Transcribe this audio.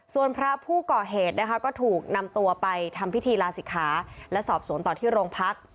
ส่วนพระผู้ก่อเหตุนะคะก็ถูกนำตัวไปทำพิธีลาศิกขาและสอบสวนต่อที่โรงพัก